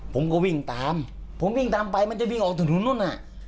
ผมก็วิ่งตามผมวิ่งตามไปมันจะวิ่งออกถนนนู่นน่ะ